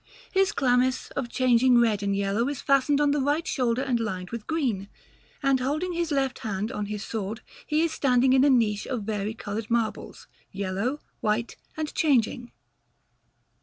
His chlamys, of changing red and yellow, is fastened on the right shoulder and lined with green; and, holding his left hand on his sword, he is standing in a niche of varicoloured marbles, yellow, white, and changing.